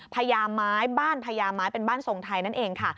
พญาไม้บ้านพญาไม้เป็นบ้านทรงไทยนั่นเองค่ะ